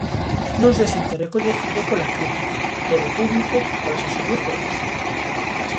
Non se sinte recoñecido pola crítica, polo público, polas asociacións...?